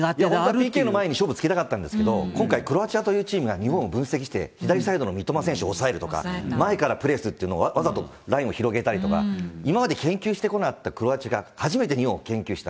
ＰＫの前に勝負つけたかったんですが、今回、クロアチアというチームが、日本を分析して、左サイドの三笘選手を抑えるとか、前からプレーするとか、ラインを広げたりとか、今まで研究してこなかったクロアチアが、初めて日本を研究した。